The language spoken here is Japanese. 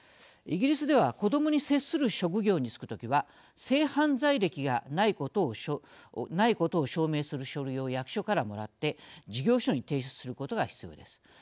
イギリスでは子どもに接する職業に就くときは性犯罪歴がないことを証明する書類を役所からもらって事業所に提出することが必要です。